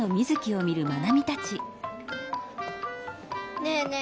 ねえねえ